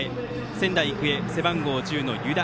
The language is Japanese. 仙台育英、背番号１０の湯田。